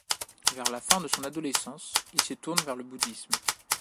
Vers la fin de son adolescence, il se tourne vers le bouddhisme.